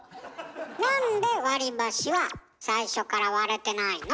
なんで割り箸は最初から割れてないの？